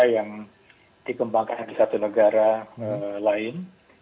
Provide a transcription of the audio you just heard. yang dikembangkan di satu negara lain